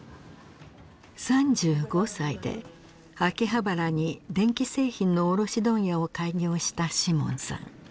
３５歳で秋葉原に電気製品の卸問屋を開業したシモンさん。